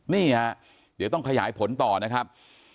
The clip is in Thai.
นี่ฮะเดี๋ยวต้องขยายผลต่อนะครับ